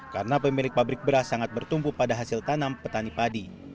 karena pemilik pabrik beras sangat bertumpu pada hasil tanam petani padi